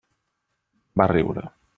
Va riure.